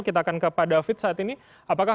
kita akan ke pak david saat ini apakah